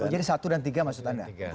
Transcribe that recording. jadi satu dan tiga maksud anda